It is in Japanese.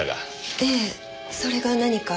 ええそれが何か？